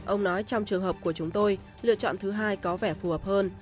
ông nói trong trường hợp của chúng tôi lựa chọn thứ hai có vẻ phù hợp hơn